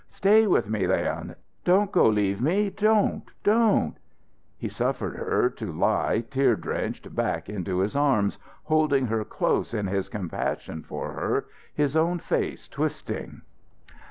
Stay with me, Leon! Don't go leave me don't don't " He suffered her to lie, tear drenched, back into his arms, holding her close in his compassion for her, his own face twisting.